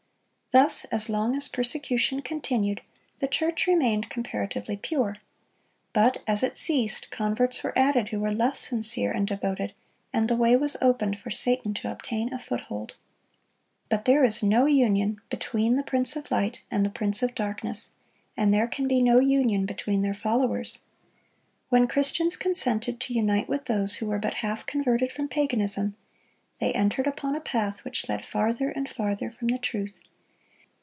Thus, as long as persecution continued, the church remained comparatively pure. But as it ceased, converts were added who were less sincere and devoted, and the way was opened for Satan to obtain a foothold. But there is no union between the Prince of light and the prince of darkness, and there can be no union between their followers. When Christians consented to unite with those who were but half converted from paganism, they entered upon a path which led farther and farther from the truth.